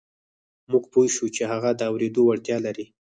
موږ پوه شوو چې هغه د اورېدو وړتیا لري